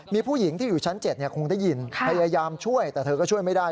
มีผู้หญิงที่อยู่ชั้น๗คงได้ยินพยายามช่วยแต่เธอก็ช่วยไม่ได้